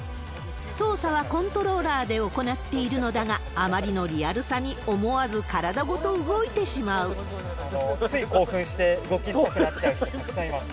操作はコントローラーで行っているのだが、あまりのリアルさに、つい興奮して、動きたくなっちゃう人、たくさんいます。